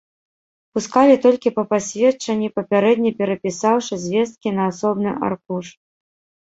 Пускалі толькі па пасведчанні, папярэдне перапісаўшы звесткі на асобны аркуш.